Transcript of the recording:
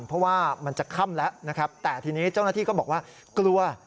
เพราะว่ามันจะค่ำแล้วนะครับแต่ทีนี้เจ้าหน้าที่ก็บอกว่ากลัว